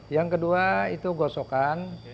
yang kedua itu gosokan